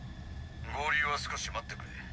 合流は少し待ってくれ。